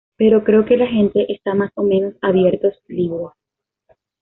Pero creo que la gente está más o menos abiertos libro.